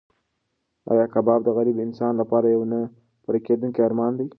ایا کباب د غریب انسان لپاره یو نه پوره کېدونکی ارمان دی؟